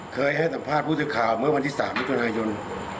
เคยให้สัมภาษณ์พูดถึงข่าวเมื่อวันที่สามมิจรณายก์ทั่วแต่ยน